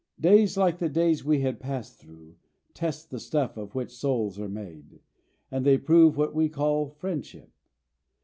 Days like the days we had passed through test the stuff of which souls are made, and they prove what we call friendship.